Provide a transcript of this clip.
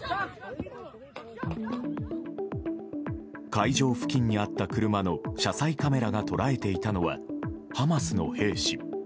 会場付近にあった車の車載カメラが捉えていたのはハマスの兵士。